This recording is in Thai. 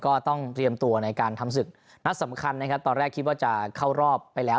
ก็ต้องเตรียมตัวในการทำศึกนัดสำคัญนะครับตอนแรกคิดว่าจะเข้ารอบไปแล้ว